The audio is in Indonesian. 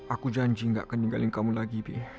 aku janji gak akan ninggalin kamu lagi